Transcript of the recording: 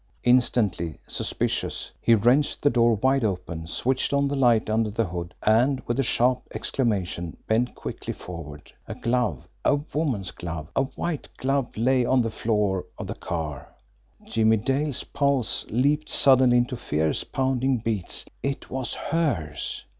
Instantly suspicious, he wrenched the door wide open, switched on the light under the hood, and, with a sharp exclamation, bent quickly forward. A glove, a woman's glove, a white glove lay on the floor of the car. Jimmie Dale's pulse leaped suddenly into fierce, pounding beats. It was HERS!